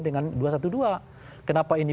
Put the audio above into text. dengan dua ratus dua belas kenapa ini